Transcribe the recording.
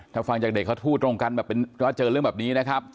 ถ้าฟังจากเด็กเขาพูดตรงกันแบบเป็นว่าเจอเรื่องแบบนี้นะครับ